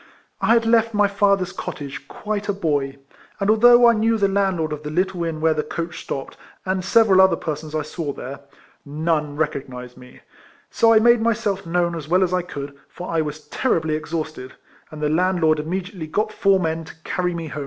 I had left my father's cottage quite a boy, and although I knew the landlord of the little inn where the coached stopped, and several other persons I saw there, none recognised me; so I made myself known as well as I could, for I was terribly exhausted, and the landlord immediately got four men to carry me home.